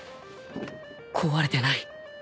壊れてない